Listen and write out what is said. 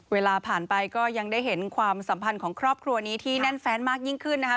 เวลาผ่านไปก็ยังได้เห็นความสัมพันธ์ของครอบครัวนี้ที่แน่นแฟนมากยิ่งขึ้นนะครับ